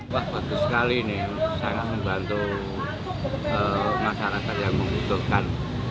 wah bagus sekali ini sangat membantu masyarakat yang membutuhkan